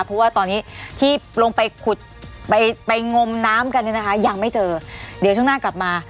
เพราะว่าตอนนี้ที่ลงไปขุดไปไปงมน้ำกันเนี่ยนะคะยังไม่เจอเดี๋ยวช่วงหน้ากลับมา